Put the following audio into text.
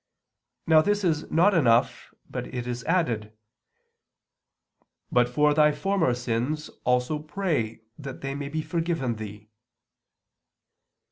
Now this is not enough, but it is added: 'But for thy former sins also pray that they may be forgiven thee.'"